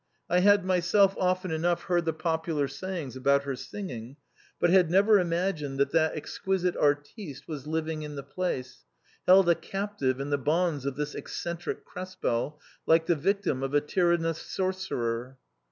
I had myself often enough heard the popular sayings about her singing, but had never imagined that that exquisite artiste was living in the place, held a captive in the bonds of this eccentric Krespel like the victim of a tyrannous sor cerer.